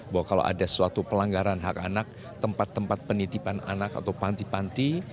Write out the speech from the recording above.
bahwa kalau ada suatu pelanggaran hak anak tempat tempat penitipan anak atau panti panti